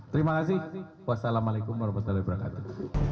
terima kasih wassalamualaikum warahmatullahi wabarakatuh